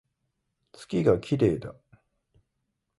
月が綺麗だ